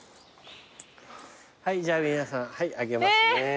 はいじゃあ皆さんはいあげますね。